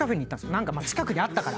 何か近くにあったから。